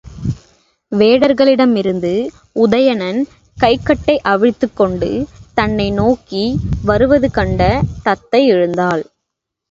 வேடர்களிடமிருந்து உதயணன் கைக்கட்டை அவிழ்த்துக் கொண்டு தன்னை நோக்கி வருவதுகண்ட தத்தை எழுந்தாள்.